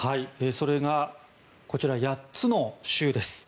それがこちら８つの州です。